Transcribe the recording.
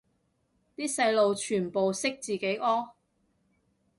啲細路全部識自己屙